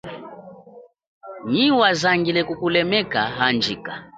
Nyi wazangile kukulemeka, handjika.